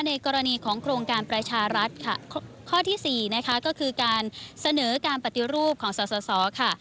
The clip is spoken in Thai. ในกรณีของโครงการประชารัฐค่ะข้อที่สี่นะคะก็คือการเสนอการปฏิรูปของสอสอค่ะ